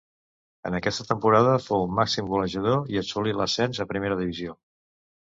En aquesta temporada fou màxim golejador i assolí l'ascens a primera divisió.